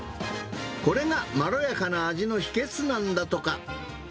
これがまろやかな味の秘けつなんだとか。